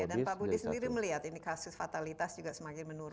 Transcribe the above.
pak budi sendiri melihat ini kasus fatalitas juga semakin menurun